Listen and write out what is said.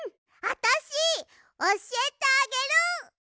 あたしおしえてあげる！